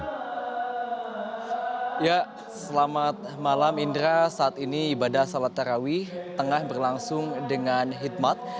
ya selamat malam indra saat ini ibadah salat tarawih tengah berlangsung dengan hikmat